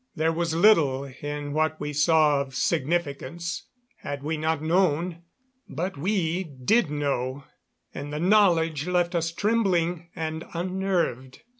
There was little in what we saw of significance had we not known. But we did know and the knowledge left us trembling and unnerved.